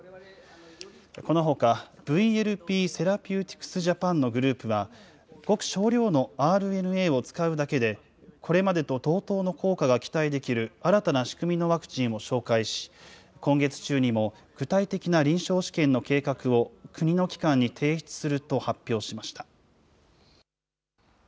このほか、ＶＬＰセラピューティクス・ジャパンのメンバーは、ごく少量のＲＮＡを使うだけで、これまでと同等の効果が期待できる新たな仕組みのワクチンを紹介し、今月中にも具体的な臨床試験の計画を国の機関に提出すると発表しました。